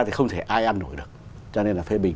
thì không thể ai ăn nổi được cho nên là phê bình